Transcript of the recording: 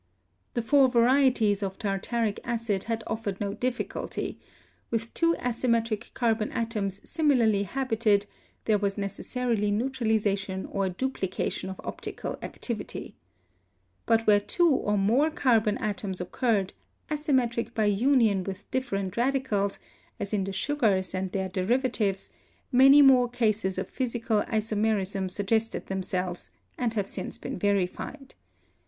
The four va rieties of tartaric acid had offered no difficulty; with two asymmetric carbon atoms similarly habited there was necessarily neutralization or duplication of optical activity. VALENCE 251 But where two or more carbon atoms occurred, asymmetric by union with different radicals, as in the sugars and' their derivatives, many more cases of physical isomerism suggested themselves, and have since been verified.